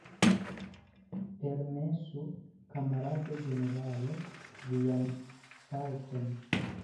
Permesu, kamarado generalo, vian palton.